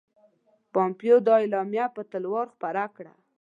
پومپیو دا اعلامیه په تلوار خپره کړه.